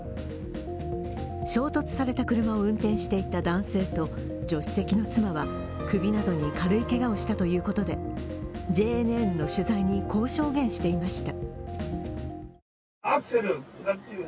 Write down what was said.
衝突された車を運転していた男性と助手席の妻は首などに軽いけがをしたということでＪＮＮの取材にこう証言していました。